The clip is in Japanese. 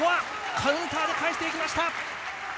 カウンターで返していきました。